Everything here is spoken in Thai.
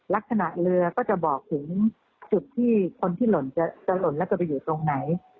ลักษณะเรือก็จะบอกถึงจุดที่คนที่หล่นจะหล่นแล้วจะไปอยู่ตรงไหน